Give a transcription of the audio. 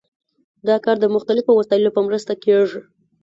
دا کار د مختلفو وسایلو په مرسته کیږي.